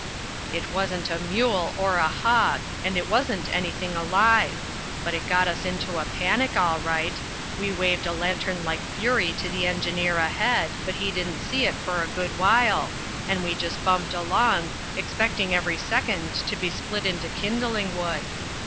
"It wasn't a mule or a hog, and it wasn't anything alive, but it got us into a panic, all right. We waved a lantern like fury to the engineer ahead, but he didn't see it for a good while, and we just bumped along, expecting every second to be split into kindling wood.